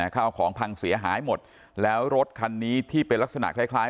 ข้าวของพังเสียหายหมดแล้วรถคันนี้ที่เป็นลักษณะคล้ายคล้าย